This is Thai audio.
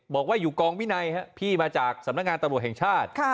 บอกว่าอยู่กองวินัยพี่มาจากสำนักงานตำรวจแห่งชาติ